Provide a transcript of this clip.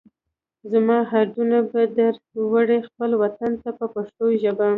زما هډونه به در وړئ خپل وطن ته په پښتو ژبه.